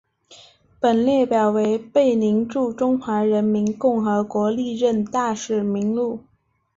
本列表为贝宁驻中华人民共和国历任大使名录。